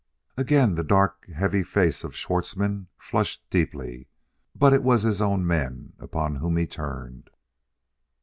Again the dark, heavy face of Schwartzmann flushed deeply; but it was his own men upon whom he turned.